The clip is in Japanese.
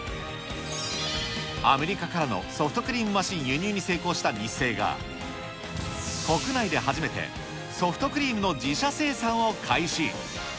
アメリカからのソフトクリームマシン輸入に成功したニッセイが、国内で初めてソフトクリームの自社生産を開始。